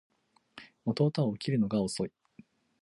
弟は起きるのが遅い